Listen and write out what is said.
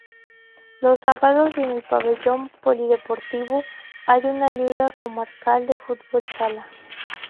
Los sábados, en el pabellón polideportivo, hay una liga comarcal de fútbol sala.